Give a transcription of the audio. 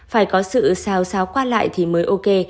phải có sự xào xáo qua lại thì mới ok